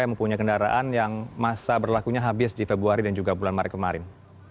yang mempunyai kendaraan yang masa berlakunya habis di februari dan juga bulan maret kemarin